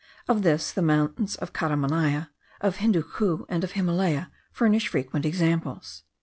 Of this the mountains of Caramania, of Hindookho, and of Himalaya, furnish frequent examples.